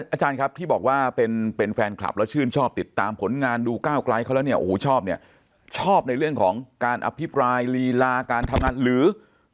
อาจารย์ครับที่บอกว่าเป็นแฟนคลับแล้วชื่นชอบติดตามผลงานดูก้าวไกลเขาแล้วเนี่ยโอ้โหชอบเนี่ยชอบในเรื่องของการอภิปรายลีลาการทำงานหรือ